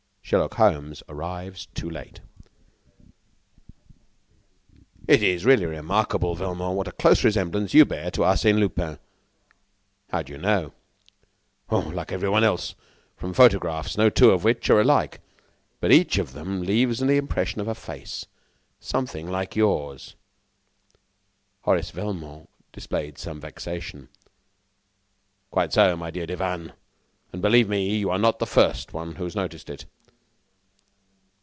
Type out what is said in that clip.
Sherlock Holmes Arrives Too Late "It is really remarkable, Velmont, what a close resemblance you bear to Arsène Lupin!" "How do you know?" "Oh! like everyone else, from photographs, no two of which are alike, but each of them leaves the impression of a face.... something like yours." Horace Velmont displayed some vexation. "Quite so, my dear Devanne. And, believe me, you are not the first one who has noticed it."